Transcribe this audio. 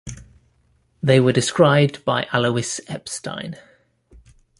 They were described by Alois Epstein.